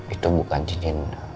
itu bukan cincin